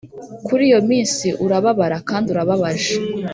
kuri iyo minsi urababara kandi urababaje